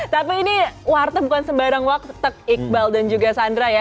tapi ini warteg bukan sembarang warteg iqbal dan juga sandra ya